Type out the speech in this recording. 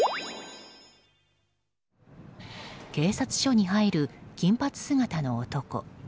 警察署に入る金髪姿の男。